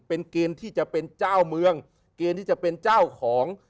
เป็นเกณฑ์ที่จะเป็นเจ้าเมืองเกณฑ์ที่จะเป็นเจ้าของ